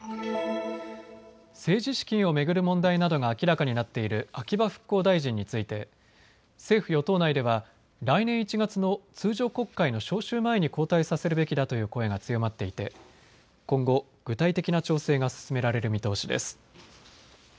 政治資金を巡る問題などが明らかになっている秋葉復興大臣について政府与党内では来年１月の通常国会の召集前に交代させるべきだという声が強まっていて今後、具体的な調整が進められる見通しです。